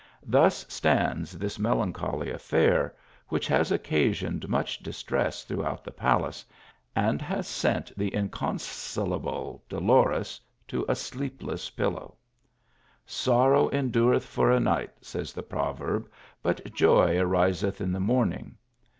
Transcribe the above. Thus stands this melancholy affair, which has oc casioned much distress throughout the palace, and has sent the inconsolable Dolores to a sleepless pil low. "Sorrow endureth for a night," says the proveib, "but jov ariscth in the morning."